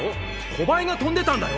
小バエが飛んでたんだよ！